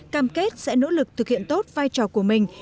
cam kết sẽ nỗ lực thực hiện tốt vai trò của mình